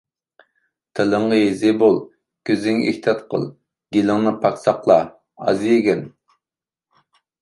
تىلىڭغا ھېزى بول، كۆزۈڭگە ئېھتىيات قىل. گېلىڭنى پاك ساقلا، ئاز يېگىن.